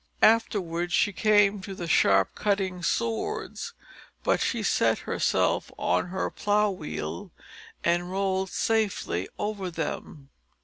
Afterwards she came to the sharp cutting swords, but she set herself on her plough wheel and rolled safely over them.